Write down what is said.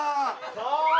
かわいい！